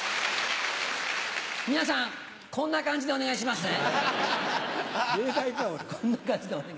皆さん、こんな感じでお願いしますね。